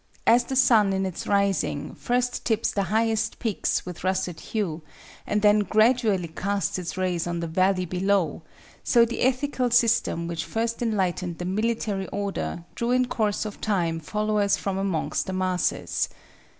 As the sun in its rising first tips the highest peaks with russet hue, and then gradually casts its rays on the valley below, so the ethical system which first enlightened the military order drew in course of time followers from amongst the masses.